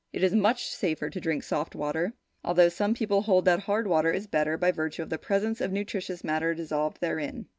It is much safer to drink soft water, although some people hold that hard water is better by virtue of the presence of nutritious matter dissolved therein.